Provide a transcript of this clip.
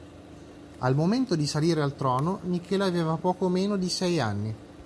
Al momento di salire al trono, Michele aveva poco meno di sei anni.